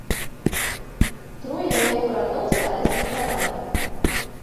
Трое яго братоў сталі святарамі.